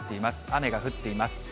雨が降っています。